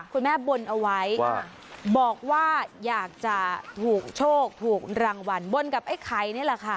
คุณแม่บนเอาไว้บอกว่าอยากจะถูกโชคถูกรางวัลบนกับไอ้ไข่นี่แหละค่ะ